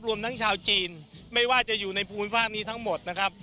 รวมทั้งชาวจีนไม่ว่าจะอยู่ในภูมิภาคนี้ทั้งหมดนะครับ